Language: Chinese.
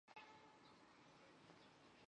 同年他加入意甲的乌迪内斯。